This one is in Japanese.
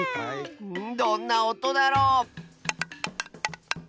どんなおとだろ？